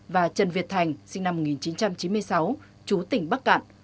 và trần việt thành sinh năm một nghìn chín trăm chín mươi sáu chú tỉnh bắc cạn